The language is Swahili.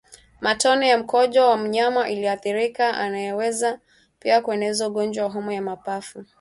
Matone ya mkojo wa mnyama aliyeathirika yanaweza pia kueneza ugonjwa wa homa ya mapafu